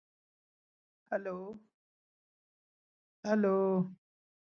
See opportunity cost.